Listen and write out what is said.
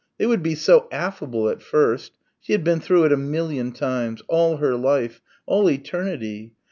They would be so affable at first. She had been through it a million times all her life all eternity.